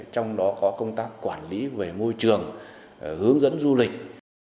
trong đó có công tác quản lý về môi trường hướng dẫn du lịch